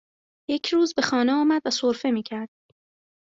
یک روز به خانه آمد و سرفه میکرد